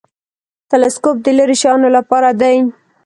تلسکوپ د لیرې شیانو لپاره دی